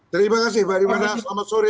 terima kasih mbak rifana selamat sore